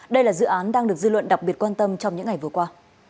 đây là dự án đang được dư luận đặc biệt quan tâm trong những ngày vừa qua